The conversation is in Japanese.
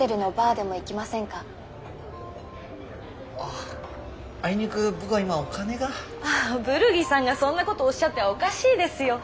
あっあいにく僕は今お金が。ああブルギさんがそんなことおっしゃってはおかしいですよ。